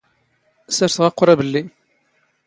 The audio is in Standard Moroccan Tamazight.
ⵙⵔⵙⵖ ⴰⵇⵔⴰⴱ ⵍⵍⵉ.